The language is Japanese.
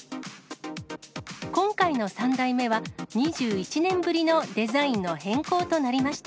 今回の３代目は、２１年ぶりのデザインの変更となりました。